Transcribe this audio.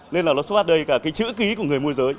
nên là nó xuất phát đây cả cái chữ ký của người môi giới